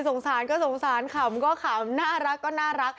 สงสารก็สงสารขำก็ขำน่ารักก็น่ารัก